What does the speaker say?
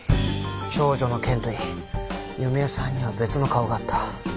長女の件といい弓江さんには別の顔があった。